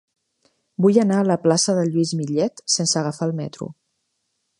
Vull anar a la plaça de Lluís Millet sense agafar el metro.